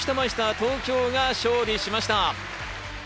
東京が勝利しました。